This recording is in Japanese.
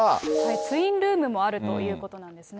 ツインルームもあるということなんですね。